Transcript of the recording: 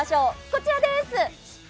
こちらでーす。